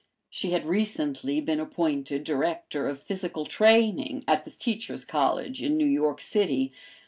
She had recently been appointed Director of Physical Training at the Teachers' College in New York city.